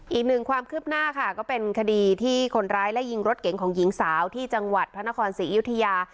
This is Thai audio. อีกหนึ่งความคืบหน้าค่ะก็เป็นคดีที่คนร้ายและยิงรถเก๋งของหญิงสาวที่จังหวัดพระนครศรีอยุธยา